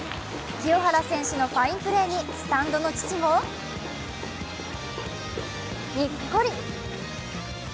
清原選手のファインプレーにスタンドの父もにっこり。